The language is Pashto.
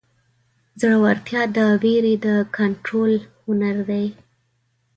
زړهورتیا د وېرې د کنټرول هنر دی.